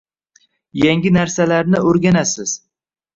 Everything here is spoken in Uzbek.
Yangi narsalarni o’rganasiz